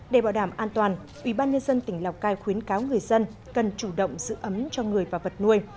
để bảo đảm an toàn ubnd tỉnh lào cai khuyến cáo người dân cần chủ động giữ ấm cho người và vật nuôi